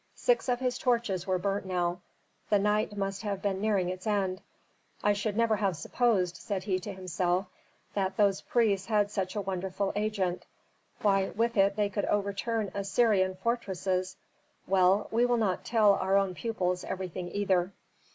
Six of his torches were burnt now. The night must have been nearing its end. "I never should have supposed," said he to himself, "that those priests had such a wonderful agent. Why, with it they could overturn Assyrian fortresses! Well, we will not tell our own pupils everything either."